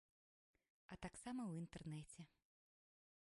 А таксама ў інтэрнэце.